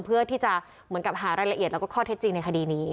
เพื่อที่จะเหมือนกับหารายละเอียดแล้วก็ข้อเท็จจริงในคดีนี้